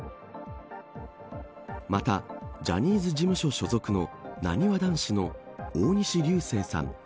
また、ジャニーズ事務所所属のなにわ男子の大西流星さん